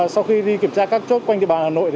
sau khi đi kiểm tra các chốt quanh địa bàn hà nội